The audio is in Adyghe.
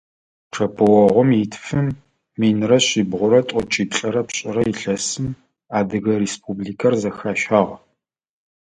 Чъэпыогъум итфым минрэ шъибгьурэ тӀокӀиплӀырэ пшӀырэ илъэсым Адыгэ Республикэр зэхащагъ.